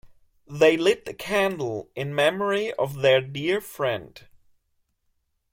They lit a candle in memory of their dear friend.